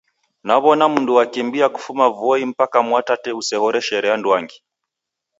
Nawona mundu wakimbia kufuma voi mpaka Mwatate usehoreshere anduangi